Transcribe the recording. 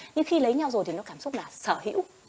nhưng khi lấy nhau rồi thì nó cảm xúc là sở hữu